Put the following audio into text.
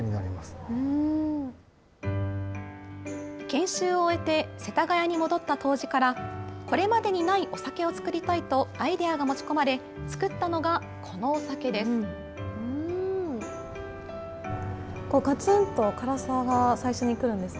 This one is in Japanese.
研修を終えて、世田谷区に戻った杜氏からこれまでにないお酒を造りたいとアイデアが持ち込まれ、造ったのが、このお酒です。